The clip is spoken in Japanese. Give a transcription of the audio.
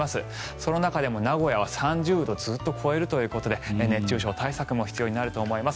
その中でも名古屋は３０度をずっと超えるということで熱中症対策も必要になると思います。